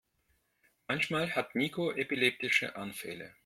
Manchmal hat Niko epileptische Anfälle.